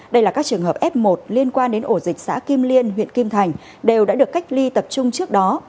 đây là các trường hợp f một liên quan đến ổ dịch xã kim liên huyện kim thành đều đã được cách ly tập trung trước đó